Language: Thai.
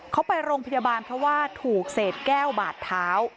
เขาไปโรงพยาบาลเพราะว่าถูกเศษแก้วบาดเท้า